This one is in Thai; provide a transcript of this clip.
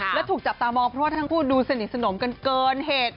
และถูกจับตามองเพราะว่าทั้งคู่ดูสนิทสนมกันเกินเหตุ